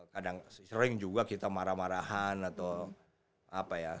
kadang sering juga kita marah marahan atau apa ya